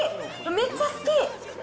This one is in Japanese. めっちゃ好き。